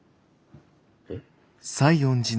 えっ？